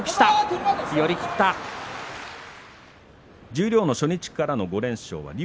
十両の初日からの５連勝は竜